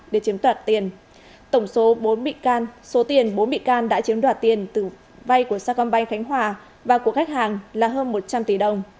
để chiếm đoạt tiền tổng số bốn bị can số tiền bốn bị can đã chiếm đoạt tiền vay của sacombank khánh hòa và của khách hàng là hơn một trăm linh tỷ đồng